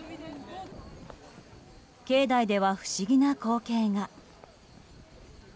境内では不思議な光景が。